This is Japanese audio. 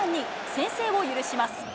先制を許します。